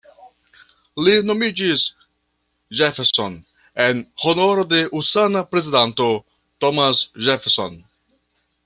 Li nomiĝis "Jefferson" en honoro de usona prezidanto, Thomas Jefferson.